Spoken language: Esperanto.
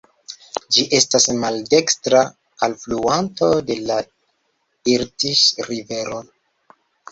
Ĝi estas maldekstra alfluanto de la Irtiŝ-rivero.